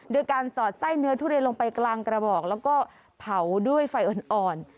โดยการสอดไส้เนื้อทุเรียนลงไปกลางกระบอกแล้วก็เผาด้วยไฟอ่อน